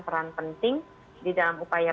peran penting di dalam upaya